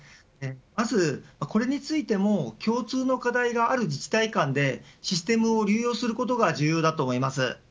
まず、これについても共通の課題がある自治体間でシステムを流用することが重要だと思います。